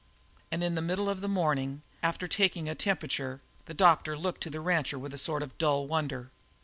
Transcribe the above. And in the middle of the morning, after taking a temperature, the doctor looked to the rancher with a sort of dull wonder.